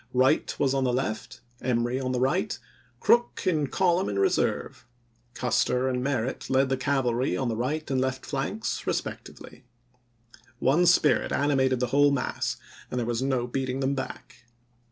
Wright was on the left, Emory on the right, Crook in col umn in reserve ; Custer and Merritt led the cavalry on the right and left flanks respectively. One spirit animated the whole mass, and there was no beating them back.